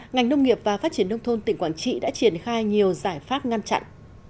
ngành nông nghiệp và phát triển nông thôn tỉnh quảng trị đã triển khai nhiều giải pháp ngăn chặn